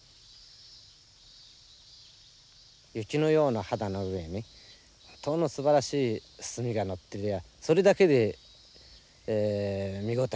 雪のような肌の上にすばらしい墨がのってりゃあそれだけで見応えがあるわけですよ。